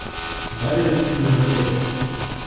Дали ли Сереже обедать?